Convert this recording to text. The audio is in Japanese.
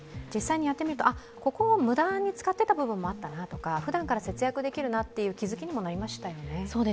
実際にやってみると、無駄に使っていた部分もあったなとかふだんから節約できるなっていう気づきにもなりましたよね。